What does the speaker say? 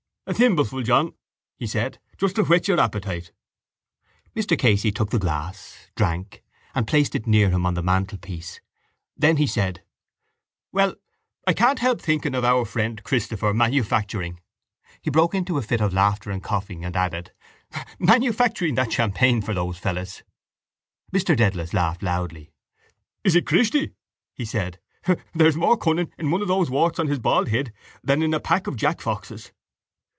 —A thimbleful, John, he said, just to whet your appetite. Mr Casey took the glass, drank, and placed it near him on the mantelpiece. Then he said: —Well, I can't help thinking of our friend Christopher manufacturing... He broke into a fit of laughter and coughing and added: —...manufacturing that champagne for those fellows. Mr Dedalus laughed loudly. —Is it Christy? he said. There's more cunning in one of those warts on his bald head than in a pack of jack foxes.